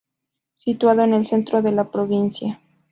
Situado en el centro de la provincia.